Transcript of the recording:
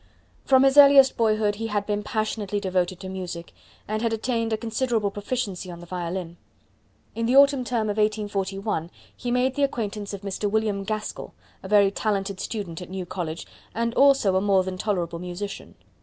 From his earliest boyhood he had been passionately devoted to music, and had attained a considerable proficiency on the violin. In the autumn term of 1841 he made the acquaintance of Mr. William Gaskell, a very talented student at New College, and also a more than tolerable musician.